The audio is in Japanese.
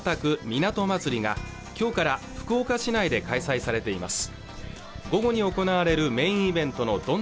港まつりがきょうから福岡市内で開催されています